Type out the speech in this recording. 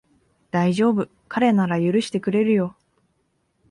だいじょうぶ、彼なら許してくれるよ